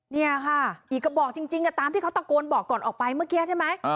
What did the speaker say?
เนี่ยค่ะอีกกระบอกจริงตามที่เขาตะโกนบอกก่อนออกไปเมื่อกี้ใช่ไหม